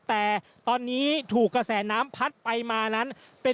แต่ตอนนี้ถูกกระแสน้ำพัดไปมานั้นเป็น